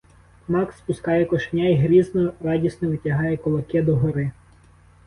Макс пускає кошеня й грізно, радісно витягає кулаки догори.